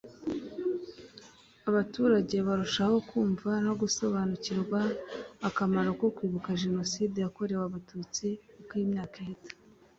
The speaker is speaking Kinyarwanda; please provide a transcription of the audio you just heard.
Abaturage barushaho kumva no gusobanukirwa akamaro ko kwibuka Jenoside yakorewe Abatutsi uko imyaka ihita